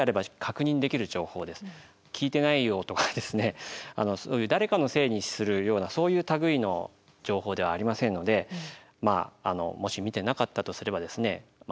聞いてないよとかですねそういう誰かのせいにするようなそういう類いの情報ではありませんのでもし見てなかったとすればですね見る気がなかったと。